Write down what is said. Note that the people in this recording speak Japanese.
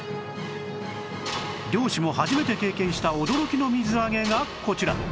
漁師も初めて経験した驚きの水揚げがこちら